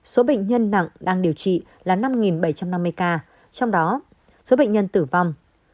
số bệnh nhân nặng đang điều trị là năm bảy trăm năm mươi ca trong đó số bệnh nhân tử vong